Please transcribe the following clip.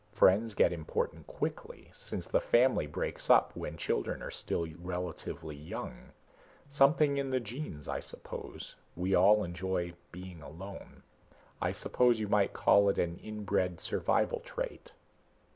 Friends get important quickly, since the family breaks up when children are still relatively young. Something in the genes, I suppose we all enjoy being alone. I suppose you might call it an inbred survival trait."